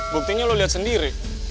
buktinya lo liat sendiri